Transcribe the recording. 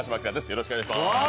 よろしくお願いします。